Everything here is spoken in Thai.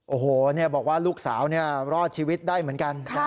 โอ้โหเนี่ยบอกว่าลูกสาวเนี่ยรอดชีวิตได้เหมือนกันค่ะ